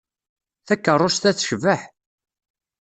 Takeṛṛust-a tecbeḥ.